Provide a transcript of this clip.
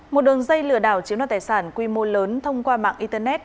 một đường dây lừa đảo chiếm đoạt tài sản quy mô lớn thông qua mạng internet